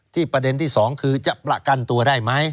ที่ประเด็นที่สองคือจะเปละกันตัวได้หมั้ย